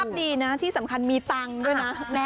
ดีนะที่สำคัญมีตังค์ด้วยนะ